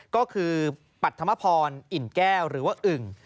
ก็คือปัธมพรอิ่นแก้วหรือว่าอึ่ง